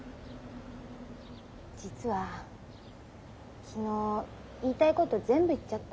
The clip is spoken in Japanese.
実は昨日言いたいこと全部言っちゃった。